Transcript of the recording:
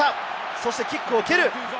そしてキックを蹴る。